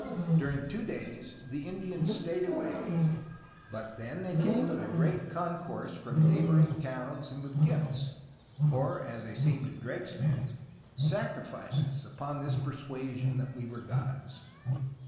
During two days the Indians stayed away. DRAKE AND NEW ALBION 105 but then they came with a great concourse from neighboring towns and with gifts, or, as they seemed to Drake's men, "sacrifices, vpon this perswasion that we were gods."